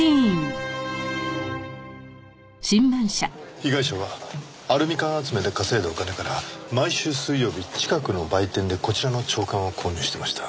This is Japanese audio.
被害者はアルミ缶集めで稼いだお金から毎週水曜日近くの売店でこちらの朝刊を購入してました。